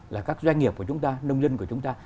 là các doanh nghiệp của chúng ta nông dân của chúng ta